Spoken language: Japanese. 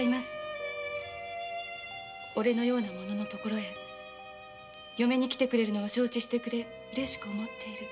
「おれのような者のところへ嫁に来るのを承知してくれてうれしく思っている」